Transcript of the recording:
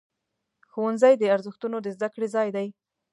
ښوونځی د ارزښتونو د زده کړې ځای دی.